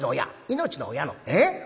命の親のええ？